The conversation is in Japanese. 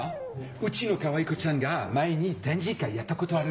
うちのかわいこちゃんが前に展示会やったことあるよ。